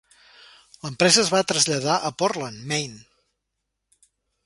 L'empresa es va traslladar a Portland, Maine.